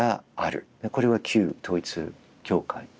これは旧統一教会。